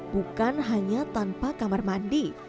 bukan hanya tanpa kamar mandi